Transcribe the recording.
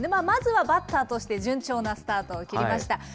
まずはバッターとして順調なスタートを切りました。